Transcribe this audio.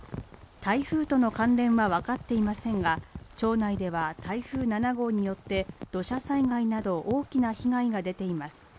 台風との関連は分かっていませんが町内では台風７号によって土砂災害など大きな被害が出ています